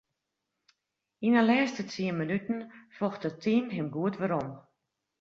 Yn 'e lêste tsien minuten focht it team him goed werom.